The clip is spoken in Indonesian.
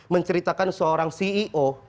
menceritakan seorang ceo